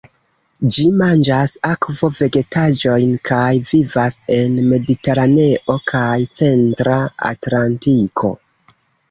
Ĝi manĝas akvo-vegetaĵojn kaj vivas en Mediteraneo kaj Centra Atlantiko.